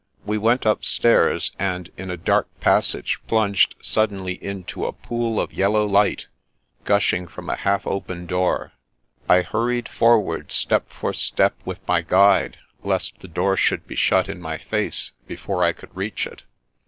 We went upstairs, and in a dark passage plunged suddenly into a pool of yellow light, gushing from a half open door. I hurried forward, step for step with my guide, lest the door should be shut in my face before I could reach it.